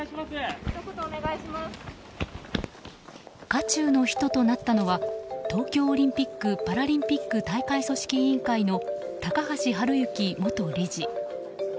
渦中の人となったのは東京オリンピック・パラリンピック大会組織委員会の高橋治之元理事。